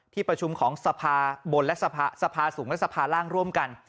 ที่ประชุมของสภาบนและสภาสูงและสภาร่างร่วมกัน